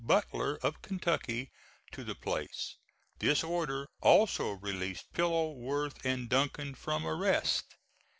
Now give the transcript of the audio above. Butler of Kentucky to the place. This order also released Pillow, Worth and Duncan from arrest.